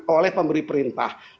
oleh pemberi perintah